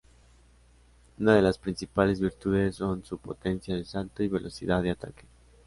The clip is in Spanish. Una de sus principales virtudes son su potencia de salto y velocidad de ataque.